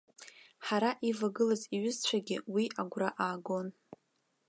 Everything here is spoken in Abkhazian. Ҳара ивагылаз иҩызцәагьы уи агәра аагон.